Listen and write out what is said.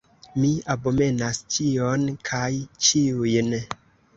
Mi abomenas ĉion kaj ĉiujn!